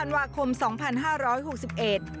ธันวาคมสองพันห้าร้อยหกสิบเอ็ด